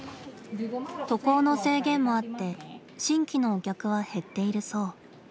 渡航の制限もあって新規のお客は減っているそう。